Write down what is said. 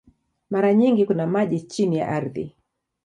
Mara nyingi kuna maji chini ya ardhi.